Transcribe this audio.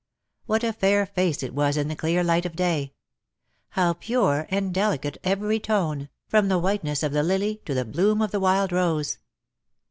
What a fair face it was in the clear light of day ! How pure and delicate every tone, from the whiteness of the lily to the bloom of the wild rose